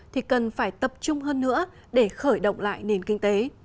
thì cần phải tập trung hơn nữa để khởi động lại nền kinh tế